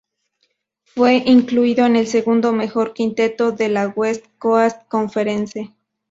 Fue incluido en el segundo mejor quinteto de la West Coast Conference.